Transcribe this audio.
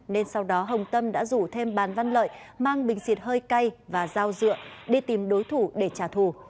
nên sau đó hồng tâm đã rủ thêm bàn văn lợi mang bình xịt hơi cay và dao dựa đi tìm đối thủ để trả thù